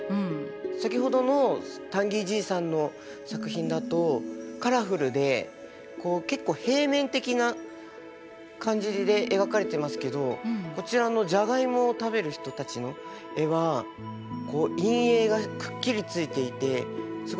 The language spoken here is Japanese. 先ほどの「タンギー爺さん」の作品だとカラフルでこう結構平面的な感じで描かれてますけどこちらのジャガイモを食べる人たちの絵はこう陰影がくっきりついていてすごい立体的な作品ですね。